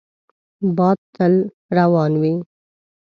باد تل روان وي